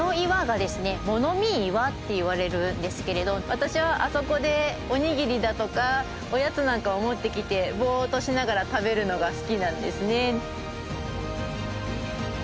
私はあそこでおにぎりだとかおやつなんかを持ってきてボーッとしながら食べるのが好きなんですね。